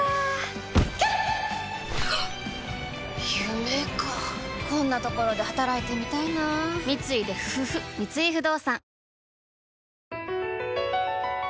夢かこんなところで働いてみたいな三井不動産